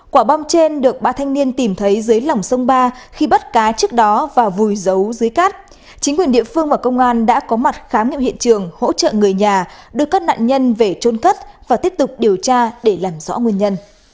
các bạn hãy đăng ký kênh để ủng hộ kênh của chúng mình nhé